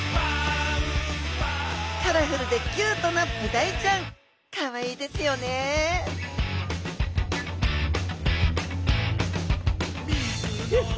カラフルでキュートなブダイちゃんかわいいですよねひゃっは！